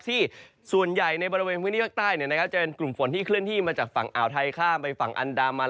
ส่วนใหญ่ในบริเวณพื้นที่ภาคใต้จะเป็นกลุ่มฝนที่เคลื่อนที่มาจากฝั่งอ่าวไทยข้ามไปฝั่งอันดามัน